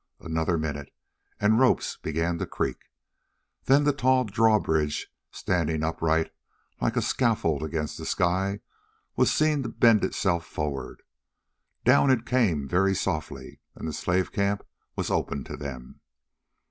Another minute, and ropes began to creak. Then the tall drawbridge, standing upright like a scaffold against the sky, was seen to bend itself forward. Down it came very softly, and the slave camp was open to them.